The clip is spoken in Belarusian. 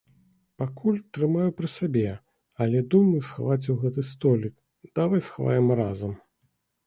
Пакуль трымаю пры сабе, але думаю схаваць у гэты столік, давай схаваем разам.